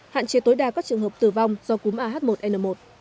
hạn chế tối đa các trường hợp tử vong do cúm ah một n một